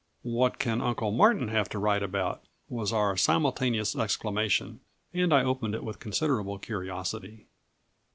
"What can uncle Martin have to write about?" was our simultaneous exclamation, and I opened it with considerable curiosity.